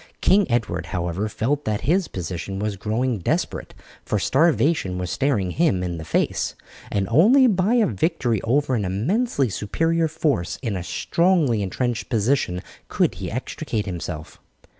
King Edward, however, felt that his position was growing desperate, for starvation was staring him in the face, and only by a victory over an immensely superior force in a strongly entrenched position could he extricate himself.